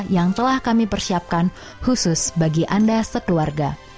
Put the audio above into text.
yang telah kami persiapkan khusus bagi anda sekeluarga